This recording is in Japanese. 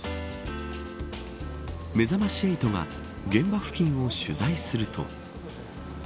めざまし８が現場付近を取材すると。